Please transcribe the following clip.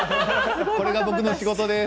これが僕の仕事です